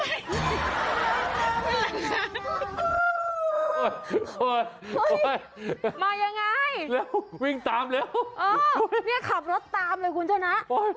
โอ้ยมายังไงวิ่งตามเร็วขับรถตามเลยคุณชนะ